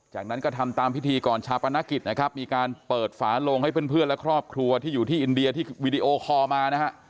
จากนั้นก็ทำตามพิธีก่อนชาปนกิจนะครับมีการเปิดฝาโลงให้เพื่อนและครอบครัวที่อยู่ที่อินเดียที่วีดีโอคอลมานะฮะ